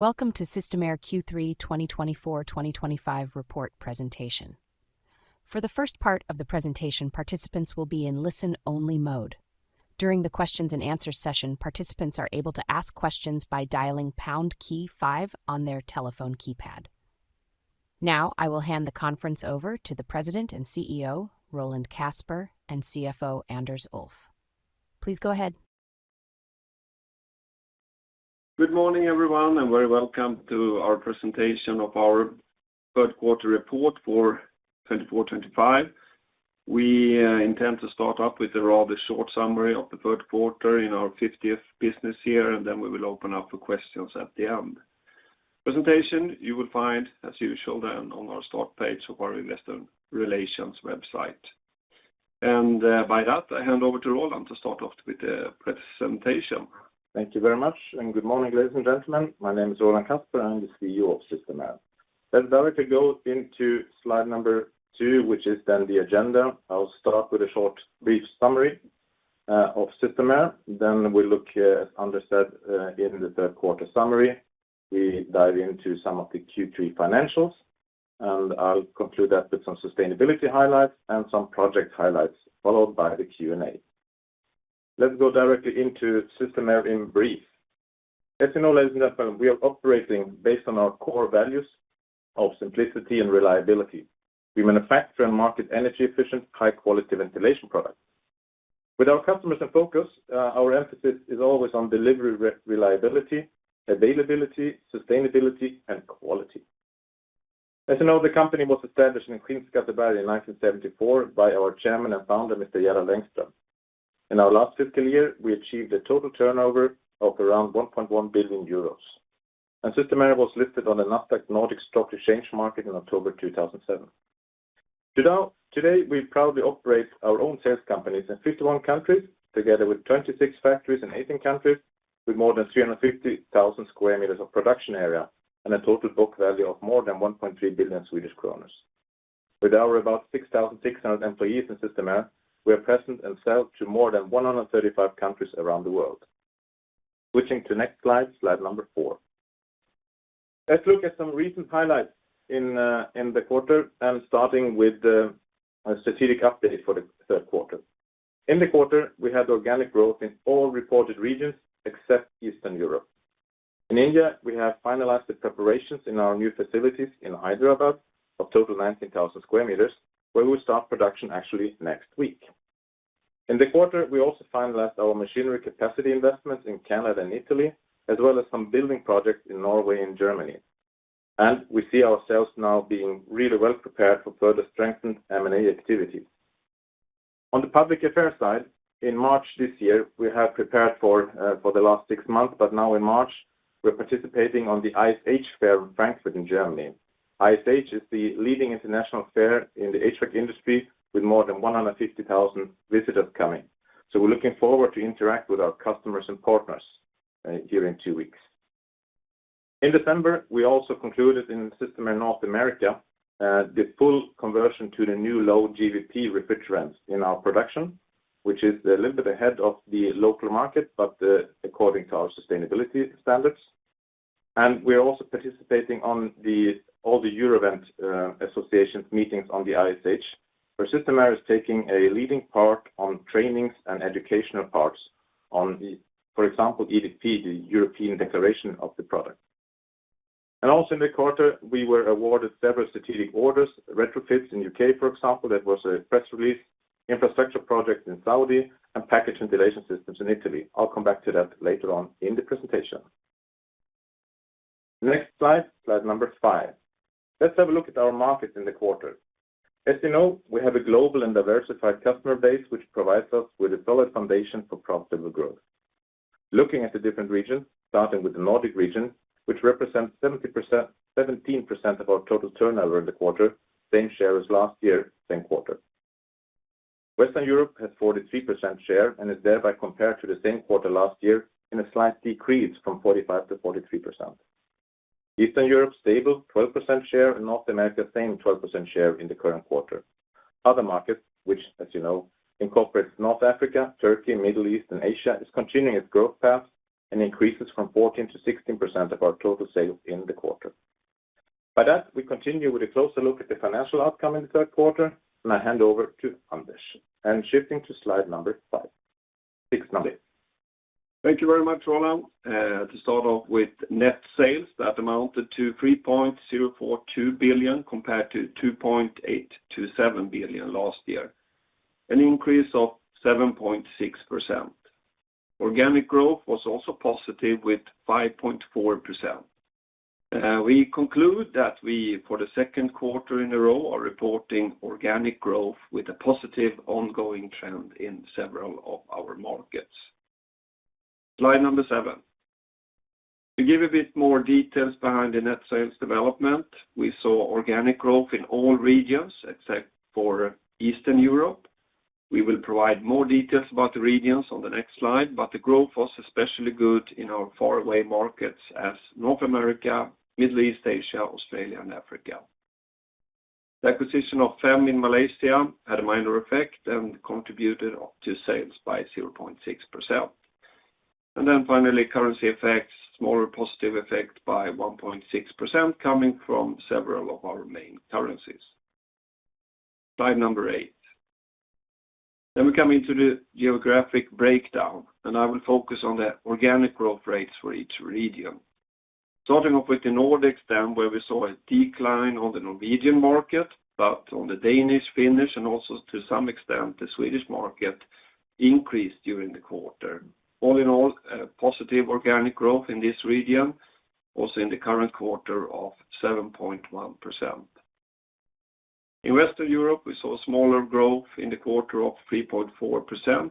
Welcome to Systemair Q3 2024-2025 report presentation. For the first part of the presentation, participants will be in listen-only mode. During the Q&A session, participants are able to ask questions by dialing pound key 5 on their telephone keypad. Now, I will hand the conference over to the President and CEO, Roland Kasper, and CFO Anders Ulff. Please go ahead. Good morning, everyone, and a very welcome to our presentation of our third-quarter report for 2024-2025. We intend to start off with a rather short summary of the third quarter in our 50th business year, and then we will open up for questions at the end. The presentation you will find, as usual, on our start page of our Investor Relations website, and by that, I hand over to Roland to start off with the presentation. Thank you very much, and good morning, ladies and gentlemen. My name is Roland Kasper, and I'm the CEO of Systemair. Let's directly go into slide number two, which is then the agenda. I'll start with a short, brief summary of Systemair. Then we'll look, as Anders said, in the third-quarter summary. We dive into some of the Q3 financials, and I'll conclude that with some sustainability highlights and some project highlights, followed by the Q&A. Let's go directly into Systemair in brief. As you know, ladies and gentlemen, we are operating based on our core values of simplicity and reliability. We manufacture and market energy-efficient, high-quality ventilation products. With our customers in focus, our emphasis is always on delivery reliability, availability, sustainability, and quality. As you know, the company was established in Skinnskatteberg in 1974 by our chairman and founder, Mr. Gerald Engström. In our last fiscal year, we achieved a total turnover of around 1.1 billion euros, and Systemair was listed on the Nasdaq Nordic Stock Exchange market in October 2007. Today, we proudly operate our own sales companies in 51 countries, together with 26 factories in 18 countries, with more than 350,000 square meters of production area and a total book value of more than EUR 1.3 billion. With our about 6,600 employees in Systemair, we are present and sell to more than 135 countries around the world. Switching to the next slide, slide number four. Let's look at some recent highlights in the quarter, and starting with a strategic update for the third quarter. In the quarter, we had organic growth in all reported regions except Eastern Europe. In India, we have finalized the preparations in our new facilities in Hyderabad, a total of 19,000 square meters, where we will start production actually next week. In the quarter, we also finalized our machinery capacity investments in Canada and Italy, as well as some building projects in Norway and Germany. And we see ourselves now being really well prepared for further strengthened M&A activities. On the public affairs side, in March this year, we have prepared for the last six months, but now in March, we're participating in the ISH Fair in Frankfurt in Germany. ISH is the leading international fair in the HVAC industry, with more than 150,000 visitors coming. So we're looking forward to interacting with our customers and partners here in two weeks. In December, we also concluded in Systemair North America the full conversion to the new low-GWP refrigerants in our production, which is a little bit ahead of the local market, but according to our sustainability standards, and we're also participating in all the Eurovent Association meetings on the ISH, where Systemair is taking a leading part in trainings and educational parts on, for example, EPD, the European Declaration of the Product, and also in the quarter, we were awarded several strategic orders: Retrofits in the U.K., for example. That was a press release, infrastructure projects in Saudi, and package ventilation systems in Italy. I'll come back to that later on in the presentation. Next slide, slide number five. Let's have a look at our markets in the quarter. As you know, we have a global and diversified customer base, which provides us with a solid foundation for profitable growth. Looking at the different regions, starting with the Nordic region, which represents 17% of our total turnover in the quarter, same share as last year, same quarter. Western Europe has a 43% share and is thereby compared to the same quarter last year in a slight decrease from 45% to 43%. Eastern Europe is stable, 12% share, and North America has the same 12% share in the current quarter. Other markets, which, as you know, incorporate North Africa, Turkey, the Middle East, and Asia, are continuing their growth paths and increasing from 14% to 16% of our total sales in the quarter. By that, we continue with a closer look at the financial outcome in the third quarter, and I hand over to Anders. Shifting to slide number five. Thank you very much, Roland. To start off with net sales, that amounted to 3.042 billion compared to 2.827 billion last year, an increase of 7.6%. Organic growth was also positive with 5.4%. We conclude that we, for the second quarter in a row, are reporting organic growth with a positive ongoing trend in several of our markets. Slide number seven. To give a bit more details behind the net sales development, we saw organic growth in all regions except for Eastern Europe. We will provide more details about the regions on the next slide, but the growth was especially good in our faraway markets as North America, Middle East, Asia, Australia, and Africa. The acquisition of PHEM in Malaysia had a minor effect and contributed to sales by 0.6%. And then finally, currency effects, smaller positive effect by 1.6% coming from several of our main currencies. Slide number eight. Then we come into the geographic breakdown, and I will focus on the organic growth rates for each region. Starting off with the Nordics, then where we saw a decline on the Norwegian market, but on the Danish, Finnish, and also to some extent the Swedish market increased during the quarter. All in all, positive organic growth in this region, also in the current quarter, of 7.1%. In Western Europe, we saw smaller growth in the quarter of 3.4%.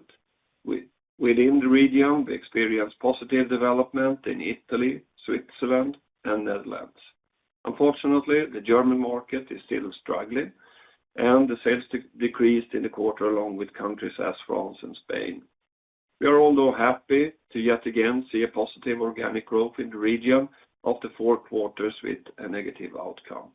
Within the region, we experienced positive development in Italy, Switzerland, and the Netherlands. Unfortunately, the German market is still struggling, and the sales decreased in the quarter along with countries as France and Spain. We are although happy to yet again see a positive organic growth in the region after four quarters with a negative outcome.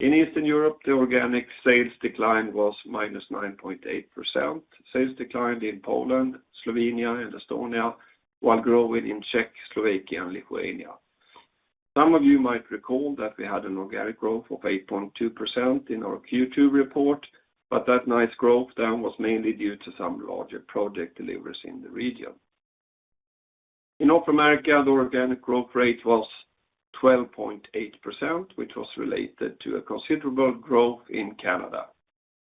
In Eastern Europe, the organic sales decline was -9.8%. Sales declined in Poland, Slovenia, and Estonia, while growing in Czech, Slovakia, and Lithuania. Some of you might recall that we had an organic growth of 8.2% in our Q2 report, but that nice growth then was mainly due to some larger project deliveries in the region. In North America, the organic growth rate was 12.8%, which was related to a considerable growth in Canada.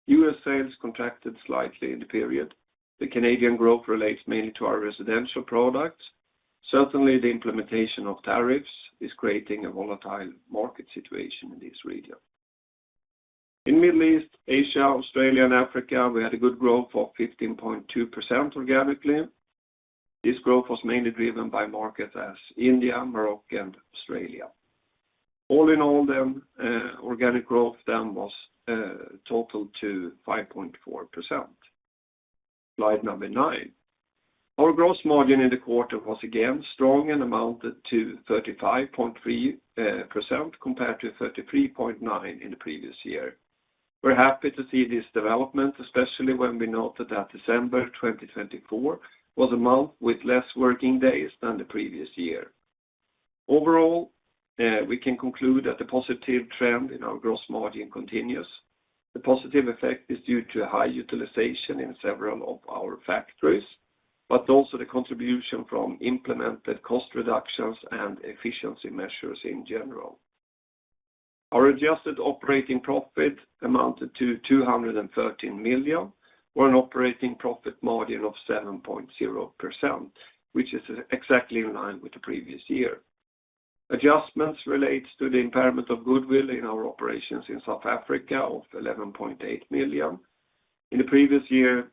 U.S. sales contracted slightly in the period. The Canadian growth relates mainly to our residential products. Certainly, the implementation of tariffs is creating a volatile market situation in this region. In the Middle East, Asia, Australia, and Africa, we had a good growth of 15.2% organically. This growth was mainly driven by markets as India, Morocco, and Australia. All in all, then organic growth then was totaled to 5.4%. Slide number nine. Our gross margin in the quarter was again strong and amounted to 35.3% compared to 33.9% in the previous year. We're happy to see this development, especially when we noted that December 2024 was a month with fewer working days than the previous year. Overall, we can conclude that the positive trend in our gross margin continues. The positive effect is due to high utilization in several of our factories, but also the contribution from implemented cost reductions and efficiency measures in general. Our adjusted operating profit amounted to 213 million, or an operating profit margin of 7.0%, which is exactly in line with the previous year. Adjustments relate to the impairment of goodwill in our operations in South Africa of 11.8 million. In the previous year,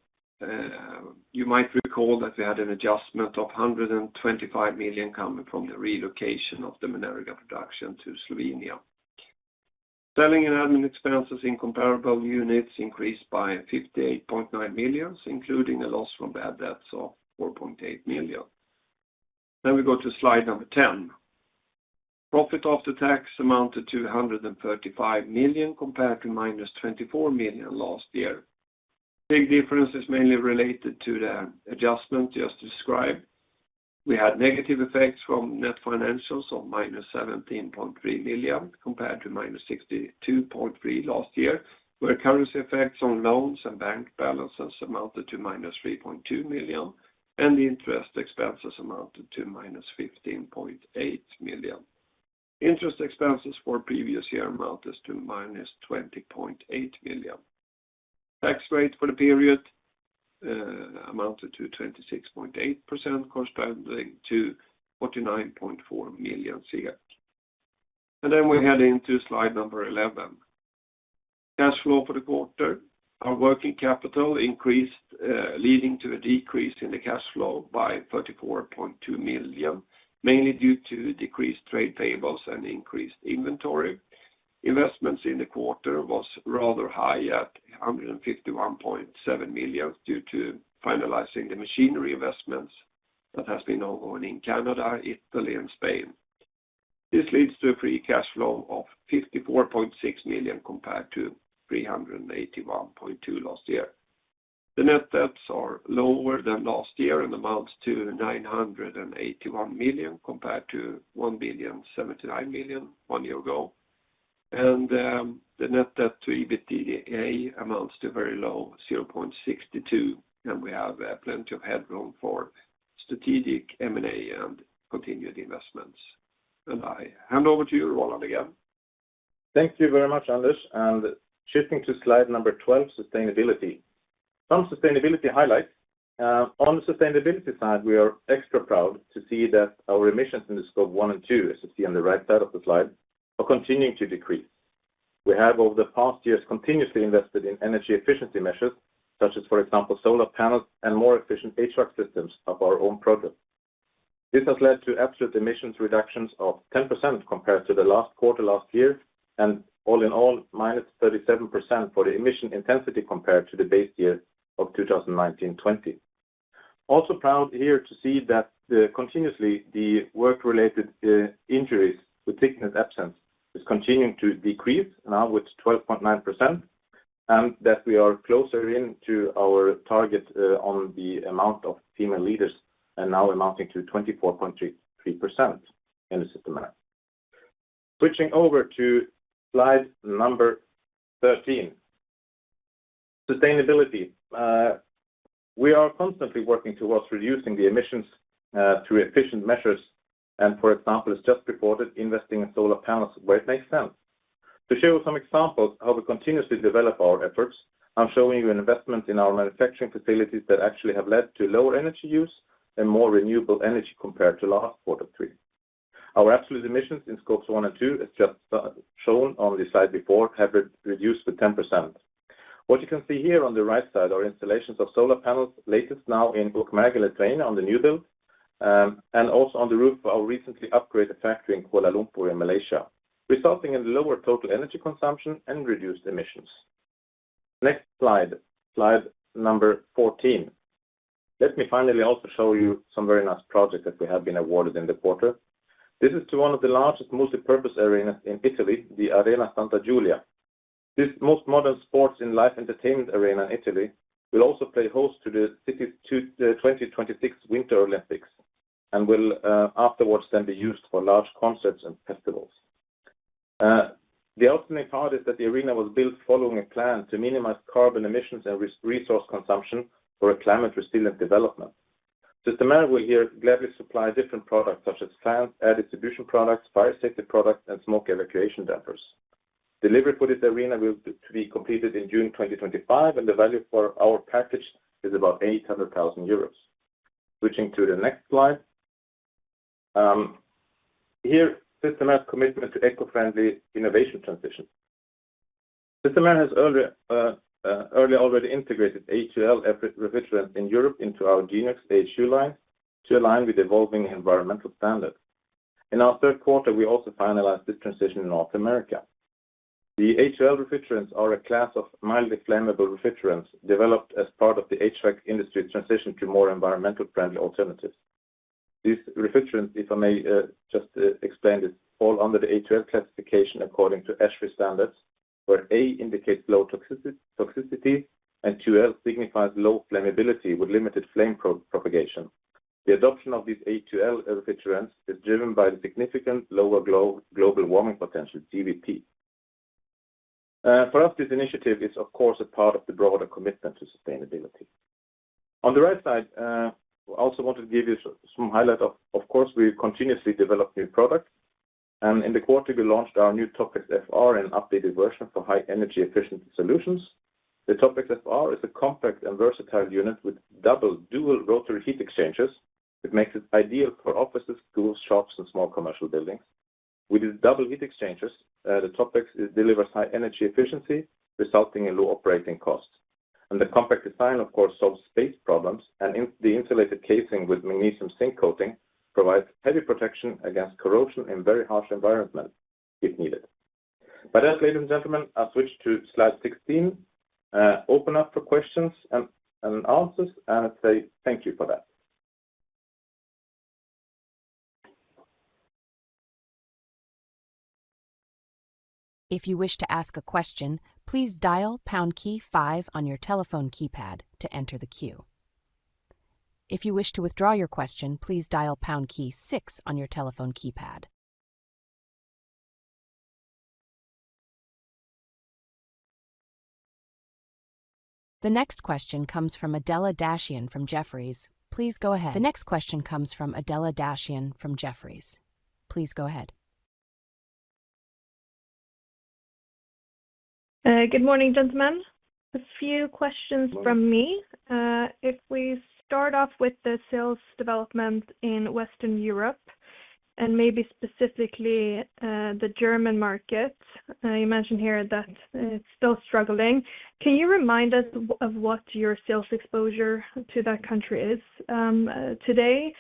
you might recall that we had an adjustment of 125 million coming from the relocation of the Menerga production to Slovenia. Selling and admin expenses in comparable units increased by 58.9 million, including a loss from bad debts of 4.8 million. Then we go to slide number ten. Profit after tax amounted to 135 million compared to minus 24 million last year. The big difference is mainly related to the adjustment just described. We had negative effects from net financials of minus 17.3 million compared to minus 62.3 last year, where currency effects on loans and bank balances amounted to minus 3.2 million, and interest expenses amounted to minus 15.8 million. Interest expenses for the previous year amounted to minus 20.8 million. Tax rate for the period amounted to 26.8%, corresponding to 49.4 million. And then we head into slide number 11. Cash flow for the quarter. Our working capital increased, leading to a decrease in the cash flow by 34.2 million, mainly due to decreased trade payables and increased inventory. Investments in the quarter were rather high at 151.7 million due to finalizing the machinery investments that have been ongoing in Canada, Italy, and Spain. This leads to a free cash flow of 54.6 million compared to 381.2 million last year. The net debts are lower than last year and amount to 981 million compared to 1.79 million one year ago. And the net debt to EBITDA amounts to very low, 0.62, and we have plenty of headroom for strategic M&A and continued investments. And I hand over to you, Roland, again. Thank you very much, Anders. And shifting to slide number 12, sustainability. Some sustainability highlights. On the sustainability side, we are extra proud to see that our emissions in Scope 1 and 2, as you see on the right side of the slide, are continuing to decrease. We have, over the past years, continuously invested in energy efficiency measures, such as, for example, solar panels and more efficient HVAC systems of our own product. This has led to absolute emissions reductions of 10% compared to the last quarter last year, and all in all, -37% for the emission intensity compared to the base year of 2019-2020. Also proud here to see that continuously the work-related injuries with sickness absence are continuing to decrease, now with 12.9%, and that we are closer into our target on the amount of female leaders and now amounting to 24.3% in the system. Switching over to slide number 13. Sustainability. We are constantly working towards reducing the emissions through efficient measures, and, for example, as just reported, investing in solar panels where it makes sense. To show you some examples of how we continuously develop our efforts, I'm showing you an investment in our manufacturing facilities that actually have led to lower energy use and more renewable energy compared to last quarter three. Our absolute emissions in Scope 1 and Scope 2, as just shown on the slide before, have reduced with 10%. What you can see here on the right side are installations of solar panels, latest now in Ukmergė on the new build, and also on the roof of our recently upgraded factory in Kuala Lumpur in Malaysia, resulting in lower total energy consumption and reduced emissions. Next slide. Slide number 14. Let me finally also show you some very nice projects that we have been awarded in the quarter. This is to one of the largest multi-purpose arenas in Italy, the Arena Santa Giulia. This most modern sports and life entertainment arena in Italy will also play host to the city's 2026 Winter Olympics and will afterwards then be used for large concerts and festivals. The ultimate part is that the arena was built following a plan to minimize carbon emissions and resource consumption for a climate-resilient development. Systemair will here gladly supply different products such as fans, air distribution products, fire safety products, and smoke evacuation dampers. Delivery for this arena will be completed in June 2025, and the value for our package is about 800,000 euros. Switching to the next slide. Here, Systemair's commitment to eco-friendly innovation transition. Systemair has earlier already integrated A2L refrigerants in Europe into our Geniox line to align with evolving environmental standards. In our third quarter, we also finalized this transition in North America. The A2L refrigerants are a class of mildly flammable refrigerants developed as part of the HVAC industry's transition to more environmentally friendly alternatives. These refrigerants, if I may just explain, are all under the A2L classification according to ASHRAE standards, where A indicates low toxicity and 2L signifies low flammability with limited flame propagation. The adoption of these A2L refrigerants is driven by the significant lower global warming potential, GWP. For us, this initiative is, of course, a part of the broader commitment to sustainability. On the right side, I also want to give you some highlights of, of course, we continuously develop new products. In the quarter, we launched our new Topvex FR in an updated version for high energy efficiency solutions. The Topvex FR is a compact and versatile unit with double dual rotary heat exchangers. It makes it ideal for offices, schools, shops, and small commercial buildings. With its double heat exchangers, the Topvex delivers high energy efficiency, resulting in low operating costs. The compact design, of course, solves space problems, and the insulated casing with magnesium zinc coating provides heavy protection against corrosion in very harsh environments if needed. As ladies and gentlemen, I'll switch to slide 16, open up for questions and answers, and I'd say thank you for that. If you wish to ask a question, please dial pound key five on your telephone keypad to enter the queue. If you wish to withdraw your question, please dial pound key six on your telephone keypad. The next question comes from Adela Dashian from Jefferies. Please go ahead. The next question comes from Adela Dashian from Jefferies. Please go ahead. Good morning, gentlemen. A few questions from me. If we start off with the sales development in Western Europe and maybe specifically the German market, you mentioned here that it's still struggling. Can you remind us of what your sales exposure to that country is today?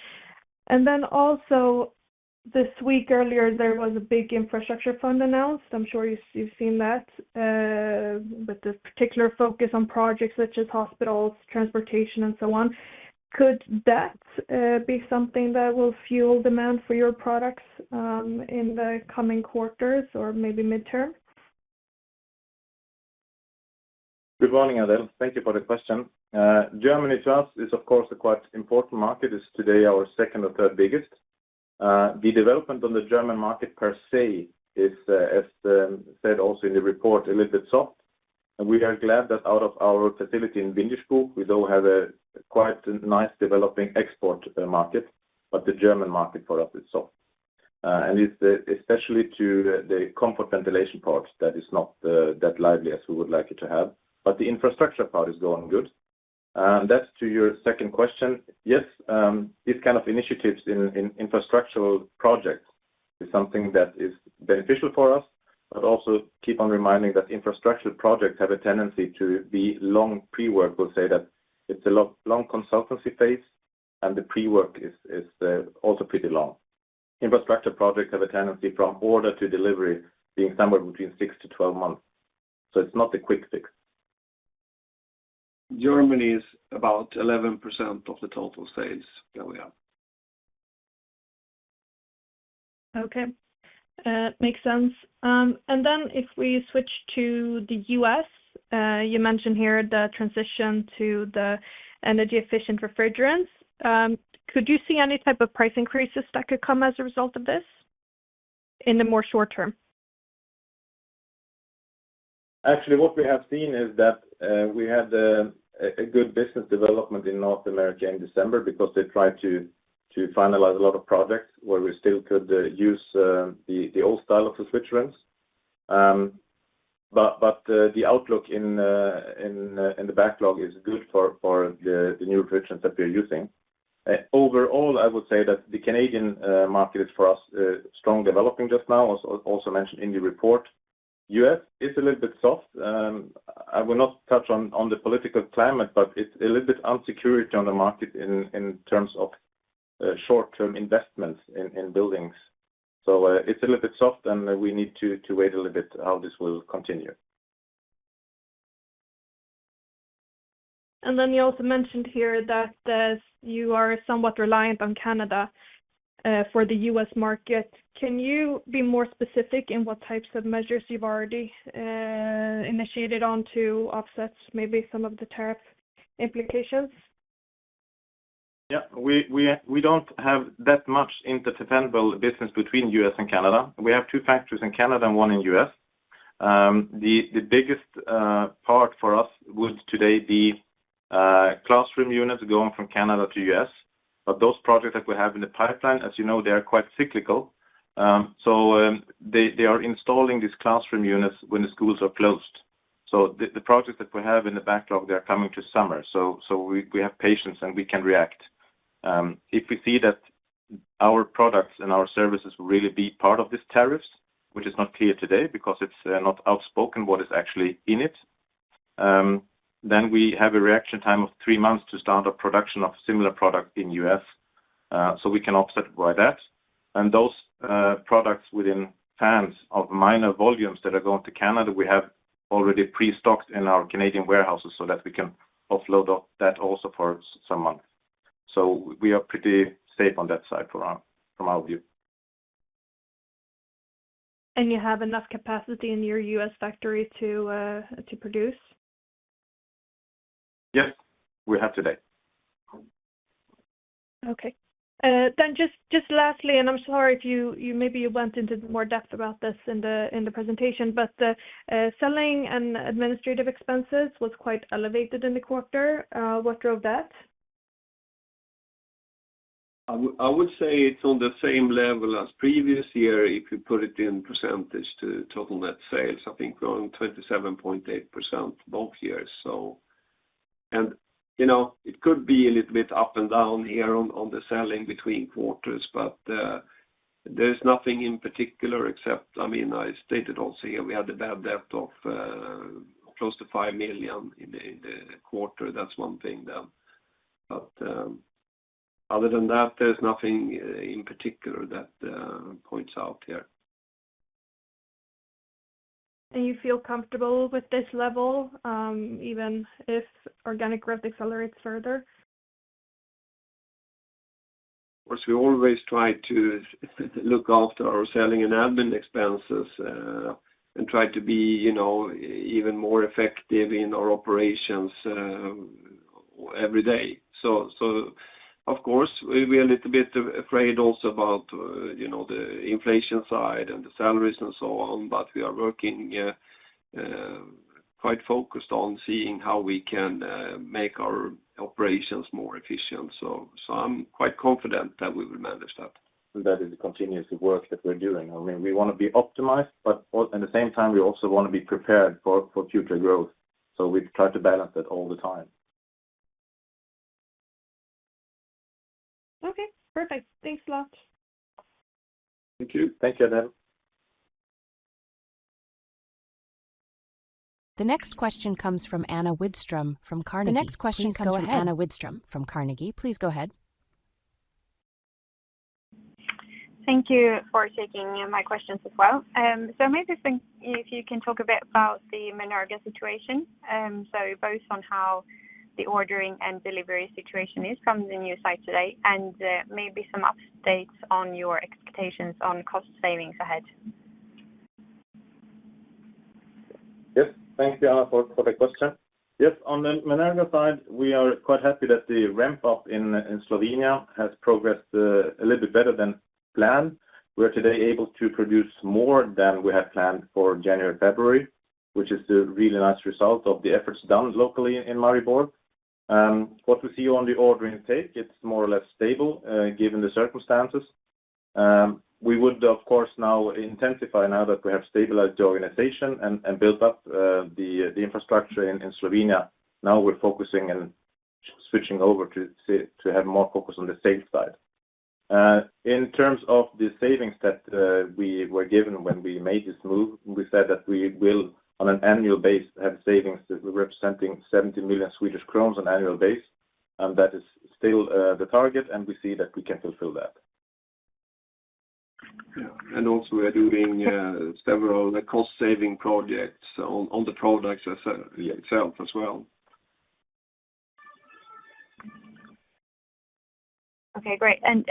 And then also this week earlier, there was a big infrastructure fund announced. I'm sure you've seen that with the particular focus on projects such as hospitals, transportation, and so on. Could that be something that will fuel demand for your products in the coming quarters or maybe midterm? Good morning, Adela. Thank you for the question. Germany, to us, is, of course, a quite important market. It's today our second or third biggest. The development on the German market per se is, as said also in the report, a little bit soft. And we are glad that out of our facility in Windischbuch, we don't have a quite nice developing export market, but the German market for us is soft. And it's especially to the comfort ventilation part that is not that lively as we would like it to have. But the infrastructure part is going good. And that's to your second question. Yes, these kinds of initiatives in infrastructural projects are something that is beneficial for us, but also keep on reminding that infrastructural projects have a tendency to be long pre-work. We'll say that it's a long consultancy phase, and the pre-work is also pretty long. Infrastructure projects have a tendency from order to delivery being somewhere between six to 12 months. So it's not the quick fix. Germany is about 11% of the total sales that we have. Okay. Makes sense. And then if we switch to the U.S., you mentioned here the transition to the energy-efficient refrigerants. Could you see any type of price increases that could come as a result of this in the more short term? Actually, what we have seen is that we had a good business development in North America in December because they tried to finalize a lot of projects where we still could use the old style of the switch runs. But the outlook in the backlog is good for the new refrigerants that we're using. Overall, I would say that the Canadian market is, for us, strong developing just now, as also mentioned in the report. U.S. is a little bit soft. I will not touch on the political climate, but it's a little bit insecure on the market in terms of short-term investments in buildings. So it's a little bit soft, and we need to wait a little bit how this will continue. And then you also mentioned here that you are somewhat reliant on Canada for the U.S. market. Can you be more specific in what types of measures you've already initiated on to offset maybe some of the tariff implications? Yeah. We don't have that much interdependable business between U.S. and Canada. We have two factories in Canada and one in U.S. The biggest part for us would today be classroom units going from Canada to U.S. But those projects that we have in the pipeline, as you know, they are quite cyclical. So they are installing these classroom units when the schools are closed. So the projects that we have in the backlog, they are coming to summer. So we have patience and we can react. If we see that our products and our services will really be part of these tariffs, which is not clear today because it's not outspoken what is actually in it, then we have a reaction time of three months to start a production of similar products in U.S. So we can offset by that. Those products within fans of minor volumes that are going to Canada, we have already pre-stocked in our Canadian warehouses so that we can offload that also for some months. We are pretty safe on that side from our view. You have enough capacity in your U.S. factory to produce? Yes, we have today. Okay. Then just lastly, and I'm sorry if you maybe went into more depth about this in the presentation, but selling and administrative expenses was quite elevated in the quarter. What drove that? I would say it's on the same level as previous year if you put it in percentage to total net sales. I think we're on 27.8% both years. And it could be a little bit up and down here on the selling between quarters, but there's nothing in particular except, I mean, I stated also here we had a bad debt of close to 5 million in the quarter. That's one thing then. But other than that, there's nothing in particular that points out here. You feel comfortable with this level even if organic growth accelerates further? Of course, we always try to look after our selling and admin expenses and try to be even more effective in our operations every day. So, of course, we're a little bit afraid also about the inflation side and the salaries and so on, but we are working quite focused on seeing how we can make our operations more efficient. So I'm quite confident that we will manage that. That is the continuous work that we're doing. I mean, we want to be optimized, but at the same time, we also want to be prepared for future growth. So we try to balance that all the time. Okay. Perfect. Thanks a lot. Thank you. Thank you, Adela. The next question comes from Anna Widström from Carnegie. Please go ahead. The next question comes from Anna Widström from Carnegie. Please go ahead. Thank you for taking my questions as well, so maybe if you can talk a bit about the Menerga situation, so both on how the ordering and delivery situation is from the new site today, and maybe some updates on your expectations on cost savings ahead. Yes. Thank you, Anna, for the question. Yes. On the Menerga side, we are quite happy that the ramp-up in Slovenia has progressed a little bit better than planned. We are today able to produce more than we had planned for January and February, which is a really nice result of the efforts done locally in Maribor. What we see on the order intake, it's more or less stable given the circumstances. We would, of course, now intensify now that we have stabilized the organization and built up the infrastructure in Slovenia. Now we're focusing and switching over to have more focus on the sales side. In terms of the savings that we were given when we made this move, we said that we will, on an annual basis, have savings representing 70 million Swedish crowns on annual basis. That is still the target, and we see that we can fulfill that. Yeah, and also, we are doing several cost-saving projects on the products itself as well. Okay. Great. And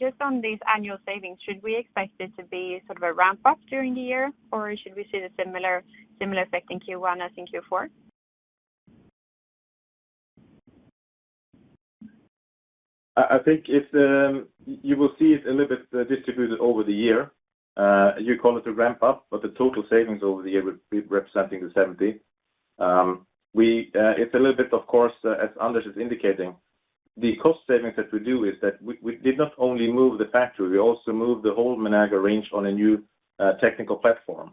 just on these annual savings, should we expect it to be sort of a ramp-up during the year, or should we see the similar effect in Q1 as in Q4? I think you will see it a little bit distributed over the year. You call it a ramp-up, but the total savings over the year would be representing the 70. It's a little bit, of course, as Anders is indicating, the cost savings that we do is that we did not only move the factory, we also moved the whole Menerga range on a new technical platform.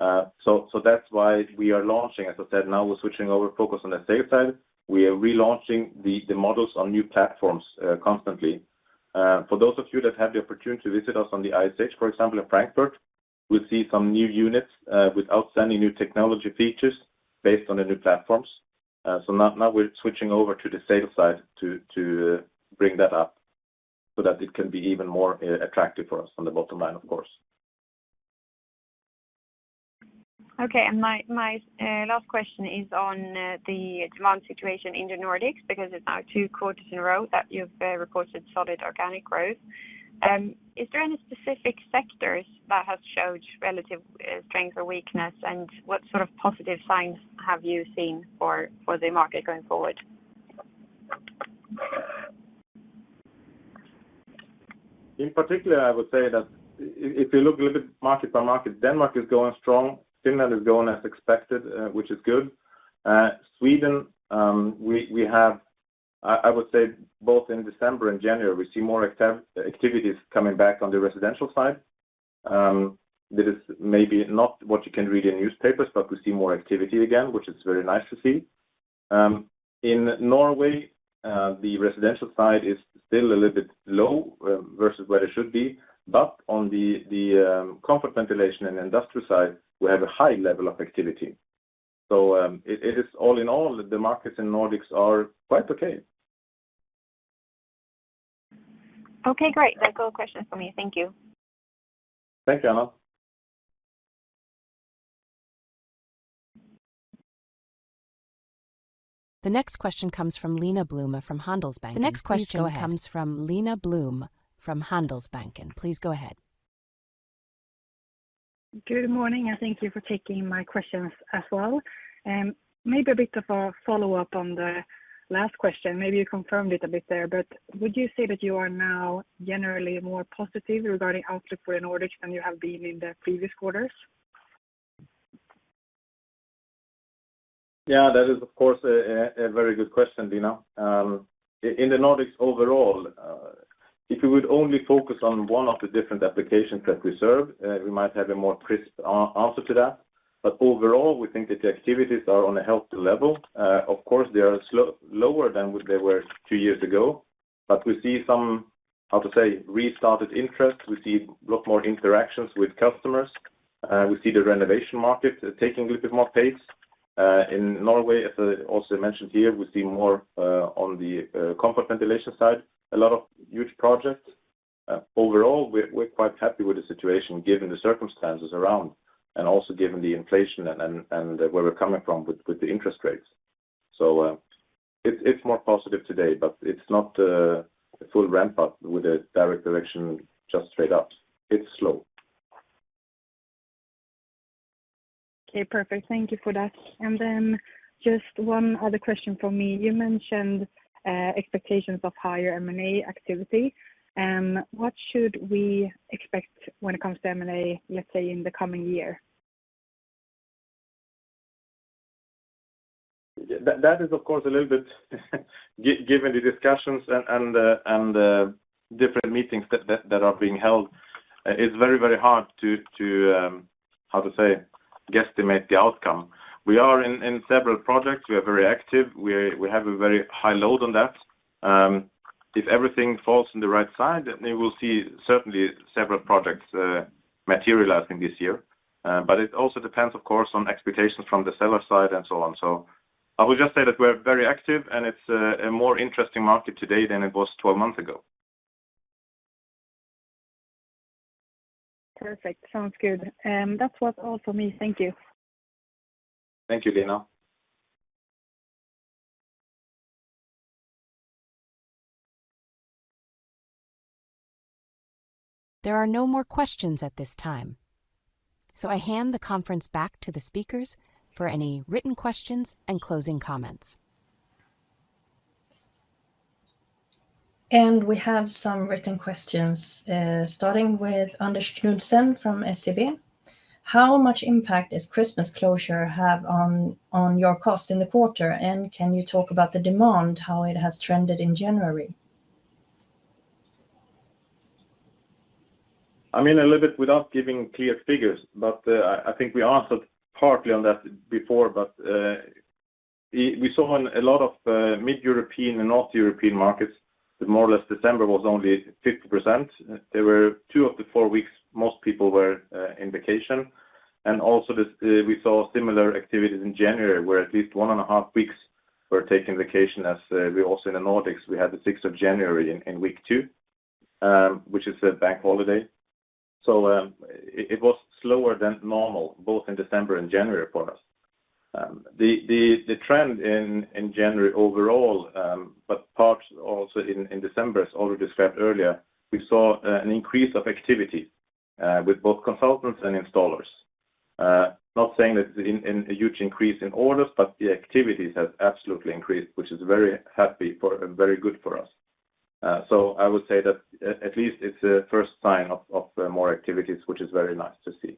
So that's why we are launching, as I said, now we're switching over focus on the sales side. We are relaunching the models on new platforms constantly. For those of you that have the opportunity to visit us on the ISH, for example, in Frankfurt, we'll see some new units with outstanding new technology features based on the new platforms. So now we're switching over to the sales side to bring that up so that it can be even more attractive for us on the bottom line, of course. Okay. And my last question is on the demand situation in the Nordics because it's now two quarters in a row that you've reported solid organic growth. Is there any specific sectors that have showed relative strength or weakness, and what sort of positive signs have you seen for the market going forward? In particular, I would say that if you look a little bit market by market, Denmark is going strong. Finland is going as expected, which is good. Sweden, we have, I would say, both in December and January, we see more activities coming back on the residential side. This is maybe not what you can read in newspapers, but we see more activity again, which is very nice to see. In Norway, the residential side is still a little bit low versus where it should be. But on the comfort ventilation and industrial side, we have a high level of activity. So it is all in all, the markets in Nordics are quite okay. Okay. Great. That's all the questions for me. Thank you. Thank you, Anna. The next question comes from Lina Blume from Handelsbanken. The next question comes from Lina Blume from Handelsbanken. Please go ahead. Good morning, and thank you for taking my questions as well. Maybe a bit of a follow-up on the last question. Maybe you confirmed it a bit there, but would you say that you are now generally more positive regarding outlook for in order than you have been in the previous quarters? Yeah, that is, of course, a very good question, Lina. In the Nordics overall, if we would only focus on one of the different applications that we serve, we might have a more crisp answer to that. But overall, we think that the activities are on a healthy level. Of course, they are lower than they were two years ago, but we see some, how to say, restarted interest. We see a lot more interactions with customers. We see the renovation market taking a little bit more pace. In Norway, as I also mentioned here, we see more on the comfort ventilation side, a lot of huge projects. Overall, we're quite happy with the situation given the circumstances around and also given the inflation and where we're coming from with the interest rates. So it's more positive today, but it's not a full ramp-up with a direct direction just straight up. It's slow. Okay. Perfect. Thank you for that. And then just one other question for me. You mentioned expectations of higher M&A activity. What should we expect when it comes to M&A, let's say, in the coming year? That is, of course, a little bit given the discussions and different meetings that are being held. It's very, very hard to, how to say, guesstimate the outcome. We are in several projects. We are very active. We have a very high load on that. If everything falls on the right side, then we will see certainly several projects materializing this year. But it also depends, of course, on expectations from the seller side and so on. So I will just say that we're very active, and it's a more interesting market today than it was 12 months ago. Perfect. Sounds good. That's what's all for me. Thank you. Thank you, Lina. There are no more questions at this time. So I hand the conference back to the speakers for any written questions and closing comments. We have some written questions, starting with Anders Knudsen from SEB. How much impact is Christmas closure have on your cost in the quarter, and can you talk about the demand, how it has trended in January? I mean, a little bit without giving clear figures, but I think we answered partly on that before, but we saw a lot of Mid-European and North-European markets. More or less, December was only 50%. There were two of the four weeks most people were in vacation. And also, we saw similar activities in January where at least one and a half weeks were taking vacation, as we also in the Nordics, we had the 6th of January in week two, which is a bank holiday. So it was slower than normal, both in December and January for us. The trend in January overall, but part also in December, as Oliver described earlier, we saw an increase of activity with both consultants and installers. Not saying that it's a huge increase in orders, but the activities have absolutely increased, which is very happy for and very good for us. I would say that at least it's a first sign of more activities, which is very nice to see.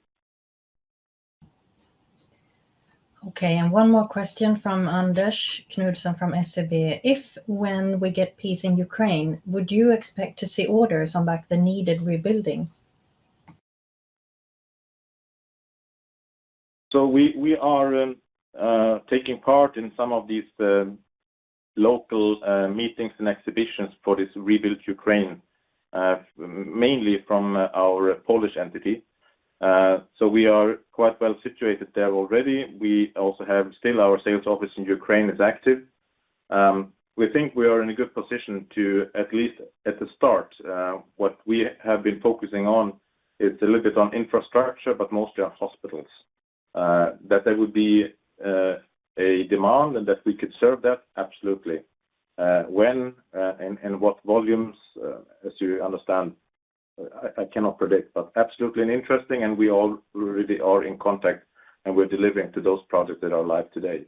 Okay. And one more question from Anders Knudsen from SEB. If, when we get peace in Ukraine, would you expect to see orders on the needed rebuilding? So we are taking part in some of these local meetings and exhibitions for this rebuild Ukraine, mainly from our Polish entity. So we are quite well situated there already. We also have still our sales office in Ukraine is active. We think we are in a good position to at least at the start, what we have been focusing on is a little bit on infrastructure, but mostly on hospitals. That there would be a demand and that we could serve that, absolutely. When and what volumes, as you understand, I cannot predict, but absolutely interesting, and we already are in contact and we're delivering to those projects that are live today.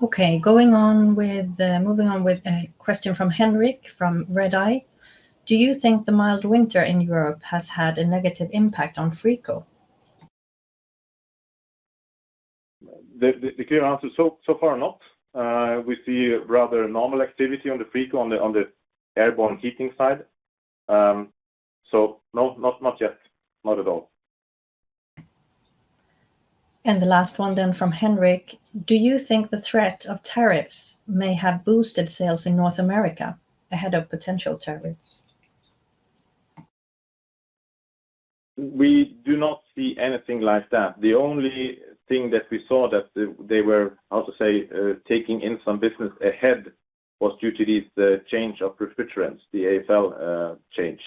Okay. Moving on with a question from Henrik from Redeye. Do you think the mild winter in Europe has had a negative impact on Frico? The clear answer, so far, not. We see rather normal activity on the Frico, on the airborne heating side. So not yet. Not at all. And the last one then from Henrik. Do you think the threat of tariffs may have boosted sales in North America ahead of potential tariffs? We do not see anything like that. The only thing that we saw that they were, how to say, taking in some business ahead was due to this change of refrigerants, the A2L change,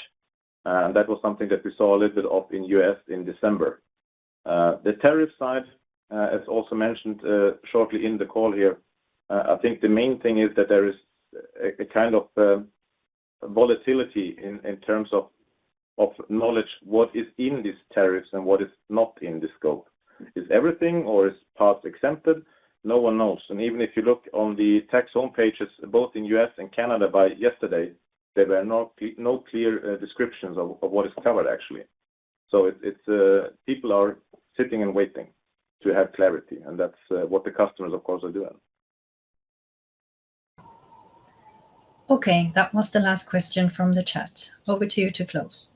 and that was something that we saw a little bit of in the U.S. in December. The tariff side, as also mentioned shortly in the call here, I think the main thing is that there is a kind of volatility in terms of knowledge what is in these tariffs and what is not in the scope. Is everything or is parts exempted? No one knows, and even if you look on the tax home pages, both in the U.S. and Canada by yesterday, there were no clear descriptions of what is covered, actually, so people are sitting and waiting to have clarity, and that's what the customers, of course, are doing. Okay. That was the last question from the chat. Over to you to close.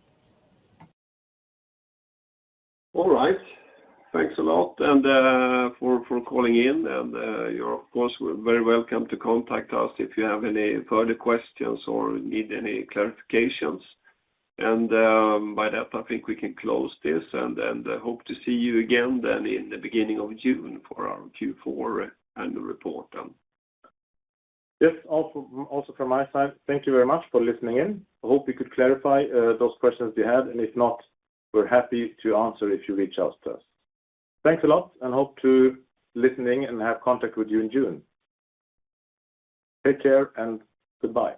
All right. Thanks a lot for calling in. And you're, of course, very welcome to contact us if you have any further questions or need any clarifications. And by that, I think we can close this, and I hope to see you again then in the beginning of June for our Q4 annual report. Yes. Also from my side, thank you very much for listening in. I hope we could clarify those questions you had, and if not, we're happy to answer if you reach out to us. Thanks a lot and hope to listen in and have contact with you in June. Take care and goodbye.